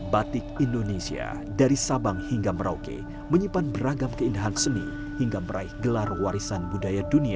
batik indonesia dari sabang hingga merauke menyimpan beragam keindahan seni hingga meraih gelar warisan budaya dunia